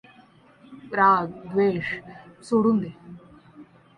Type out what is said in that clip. राग द्वेष सोडून दे.